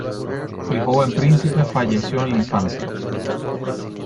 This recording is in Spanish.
El joven príncipe falleció en la infancia.